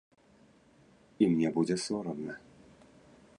І мне будзе сорамна.